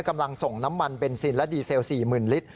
กำลังส่งน้ำมันเบนซินและดีเซล๔๐๐๐ลิตร